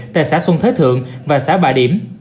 tại xã xuân thế thượng và xã bà điểm